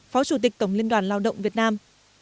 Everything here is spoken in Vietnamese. phó chủ tịch tổng liên đoàn lao động việt nam